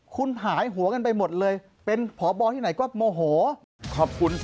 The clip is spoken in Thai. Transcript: คุณหายหัวกันไปหมดเลยเป็นผ่อบอลที่ไหนก็โมโห